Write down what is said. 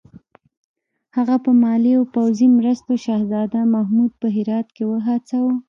هغه په مالي او پوځي مرستو شهزاده محمود په هرات کې وهڅاوه.